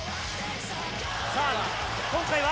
さあ、今回は？